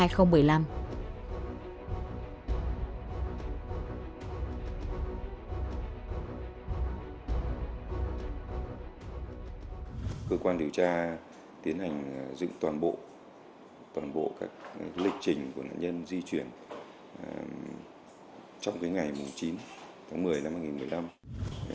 cơ quan điều tra tiến hành dựng toàn bộ toàn bộ các lịch trình của nạn nhân di chuyển trong ngày chín tháng một mươi năm hai nghìn một mươi năm